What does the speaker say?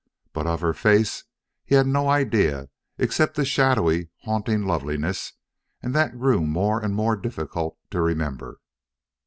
But of her face he had no idea except the shadowy, haunting loveliness, and that grew more and more difficult to remember.